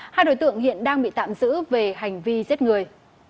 hai đối tượng hiện đang bị tạm giữ về hành vi giết người